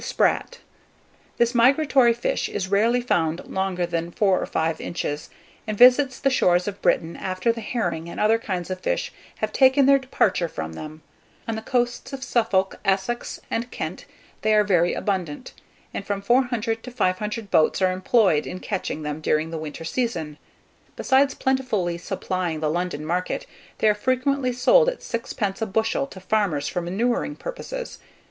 [Illustration: THE SPRAT.] THE SPRAT. This migratory fish, is rarely found longer than four or five inches, and visits the shores of Britain after the herring and other kinds of fish have taken their departure from them. On the coasts of Suffolk, Essex, and Kent, they are very abundant, and from 400 to 500 boats are employed in catching them during the winter season. Besides plentifully supplying the London market, they are frequently sold at sixpence a bushel to farmers for manuring purposes.